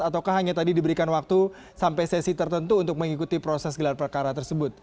ataukah hanya tadi diberikan waktu sampai sesi tertentu untuk mengikuti proses gelar perkara tersebut